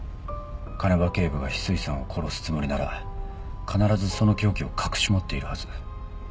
鐘場警部が翡翠さんを殺すつもりなら必ずその凶器を隠し持っているはず。